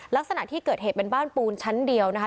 ลักษณะที่เกิดเหตุเป็นบ้านปูนชั้นเดียวนะคะ